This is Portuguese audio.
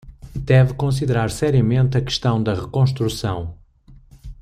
Deve considerar seriamente a questão da reconstrução